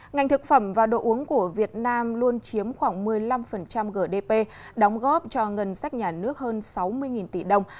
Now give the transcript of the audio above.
ngành thực phẩm và đồ uống của việt nam luôn chiếm khoảng một mươi năm gdp đóng góp cho ngân sách nhà nước hơn sáu mươi tỷ đồng